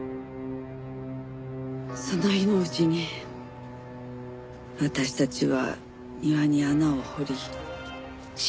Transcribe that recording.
その日のうちに私たちは庭に穴を掘り。